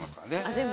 全部？